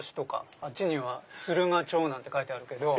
あっちには駿河町なんて書いてあるけど。